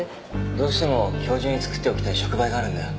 どうしても今日中に作っておきたい触媒があるんだよ。